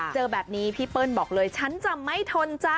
เจอแบบนี้พี่เปิ้ลบอกเลยฉันจะไม่ทนจ้ะ